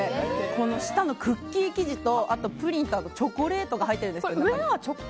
この下のクッキー生地とプリンとチョコレートが入っているんです。